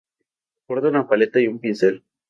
Porta una paleta y un pincel.